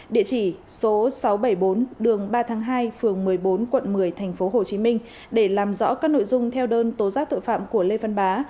địa chỉ số sáu trăm bảy mươi bốn đường ba tháng hai phường một mươi bốn quận một mươi tp hcm để làm rõ các nội dung theo đơn tố giác tội phạm của lê văn bá